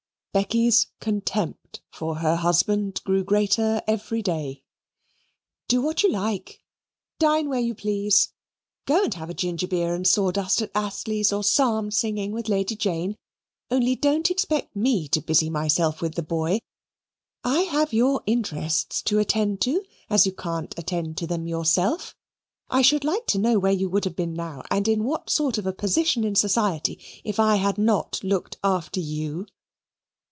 Becky's contempt for her husband grew greater every day. "Do what you like dine where you please go and have ginger beer and sawdust at Astley's, or psalm singing with Lady Jane only don't expect me to busy myself with the boy. I have your interests to attend to, as you can't attend to them yourself. I should like to know where you would have been now, and in what sort of a position in society, if I had not looked after you."